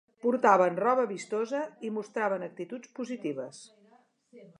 Portaven roba vistosa i mostraven actituds positives.